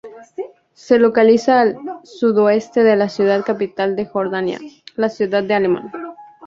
Se localiza al sudoeste de la ciudad capital de Jordania, la ciudad de Ammán.